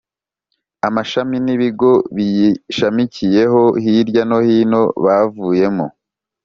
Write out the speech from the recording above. amashami n’ ibigo biyishamikiyeho hirya no hino bavuyemo.